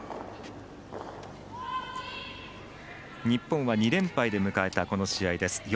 日本は２連敗で迎えたこの試合です。